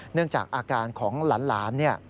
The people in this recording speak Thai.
เนื่องจากอาการของหลาน